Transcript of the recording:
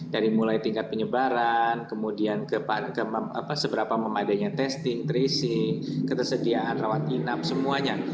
dari mulai tingkat penyebaran kemudian seberapa memadainya testing tracing ketersediaan rawat inap semuanya